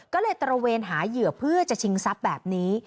ก็เลยตระเวนหาเหยื่อเพื่อจะชิงทรัพย์แบบนี้